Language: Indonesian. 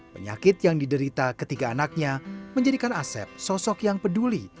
penyakit yang diderita ketiga anaknya menjadikan asep sosok yang peduli